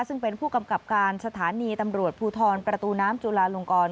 ซึ่งเป็นผู้กำกับการสถานีตำรวจภูทรประตูน้ำจุลาลงกร